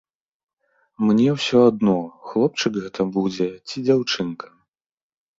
Мне ўсё адно, хлопчык гэта будзе ці дзяўчынка.